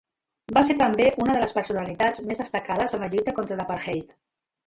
Va ser també una de les personalitats més destacades en la lluita contra l'apartheid.